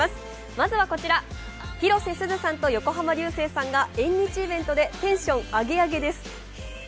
まずはこちら、広瀬すずさんと横浜流星さんが縁日イベントでテンションアゲアゲです。